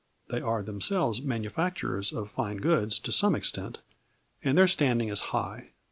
They are themselves manufacturers of fine goods to some extent, and their standing is high.